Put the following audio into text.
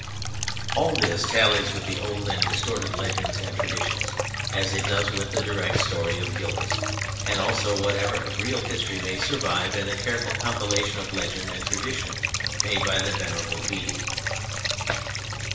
All this tallies with the old and distorted legends and traditions, as it does with the direct story of Gildas, and also with whatever of real history may survive in the careful compilation of legend and tradition made by the Venerable Bede.